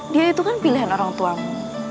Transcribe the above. dia itu kan pilihan orang tuamu